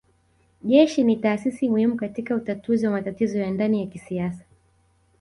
Jeshi ni taasisi muhimu katika utatuzi wa matatizo ya ndani ya kisiasa